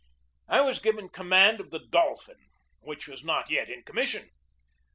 I was given com mand of the Dolphin, which was not yet in com mission.